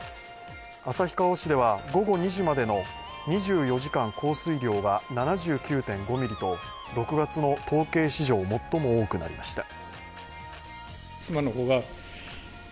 旭川市では午後２時までの２４時間降水量が７９．５ミリと、６月の統計史上最も多くなりました。